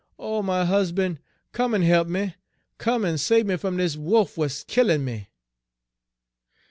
O my husban'! come en he'p me! come en sabe me fum dis wolf w'at's killin' me!'